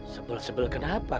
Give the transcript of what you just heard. sebal sebal kenapa kak